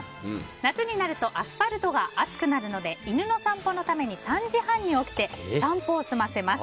夏になるとアスファルトが熱くなるので犬の散歩のために３時半に起きて散歩を済ませます。